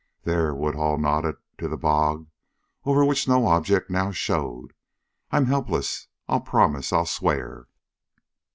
"There!" Woodhull nodded to the bog, over which no object now showed. "I'm helpless! I'll promise! I'll swear!"